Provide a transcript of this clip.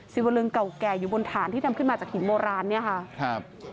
วลึงเก่าแก่อยู่บนฐานที่ทำขึ้นมาจากหินโบราณเนี่ยค่ะครับ